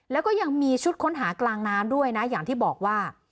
แล้วก็ยังมีชุดค้นหากลางน้ำด้วยนะอย่างที่บอกว่า